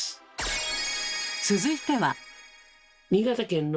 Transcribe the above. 続いては。